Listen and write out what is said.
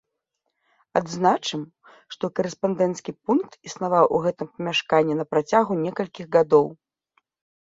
Адзначым, што карэспандэнцкі пункт існаваў у гэтым памяшканні на працягу некалькіх гадоў.